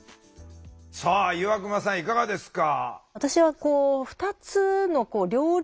さあ岩隈さんいかがですか？